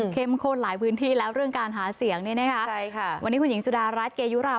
เค็มข้นหลายพื้นที่แล้วเรื่องการหาเสียงนี่นะครับ